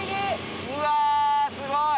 うわすごい！